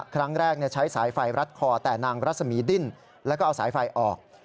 ครั้งแรกใช้สายไฟรัดคอแต่นางรัศมีดิ้นแล้วก็เอาสายไฟออก